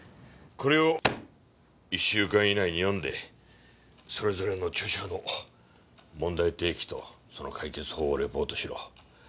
これを１週間以内に読んでそれぞれの著者の問題提起とその解決法をレポートしろ。